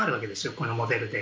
このモデルで。